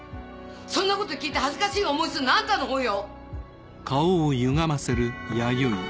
そんなこと聞いて恥ずかしい思いするのあんたのほうよ！